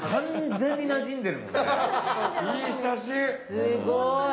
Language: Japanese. すごい。